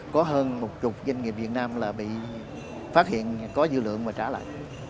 có hơn một chục doanh nghiệp việt nam bị phát hiện có dư lượng và trả lại